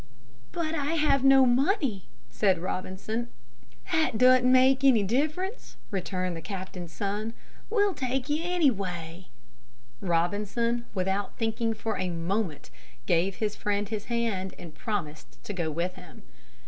"But I have no money," said Robinson. "That doesn't make any difference," returned the captain's son. "We will take you anyway." Robinson, without thinking for a moment, gave his friend his hand and promised to go with him.